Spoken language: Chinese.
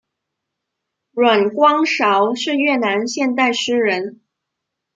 阮光韶是越南现代诗人。